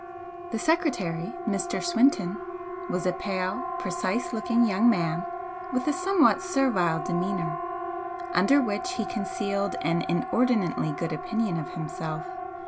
The secretary, Mr. Swinton, was a pale, precise looking young man with a somewhat servile demeanour, under which he concealed an inordinately good opinion of himself.